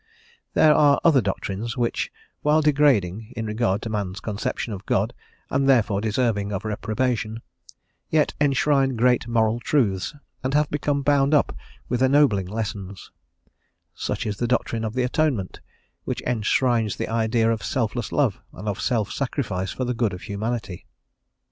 There are other doctrines which, while degrading in regard to man's conception of God, and therefore deserving of reprobation, yet enshrine great moral truths and have become bound up with ennobling lessons; such is the doctrine of the Atonement, which enshrines the idea of selfless love and of self sacrifice for the good of humanity.